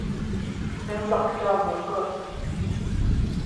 Mewn lock-down, wrth gwrs.